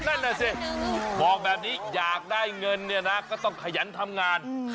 นั่นแหละสิบอกแบบนี้อยากได้เงินเนี่ยนะก็ต้องขยันทำงาน